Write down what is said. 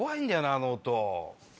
あの音。